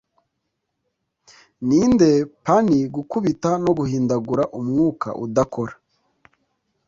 Ninde puny gukubita no guhindagura Umwuka udakora